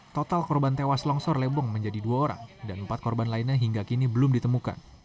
total korban tewas longsor lebong menjadi dua orang dan empat korban lainnya hingga kini belum ditemukan